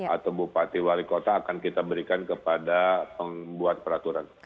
atau bupati warikota akan kita berikan kepada pembuat peraturan